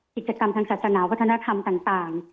กิจกรรมทางศาสนาวัฒนธรรมต่าง